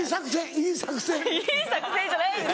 いい作戦じゃないです。